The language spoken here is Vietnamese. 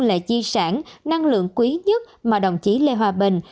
lệ chi sản năng lượng quý nhất mà đồng chí lê hòa bình